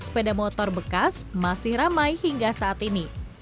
sepeda motor bekas masih ramai hingga saat ini